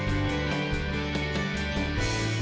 bu beban dari jengkol